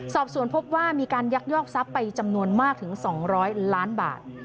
สอบสวนพบว่ามีการยักยอกทรัพย์ไปจำนวนมากถึง๒๐๐ล้านบาท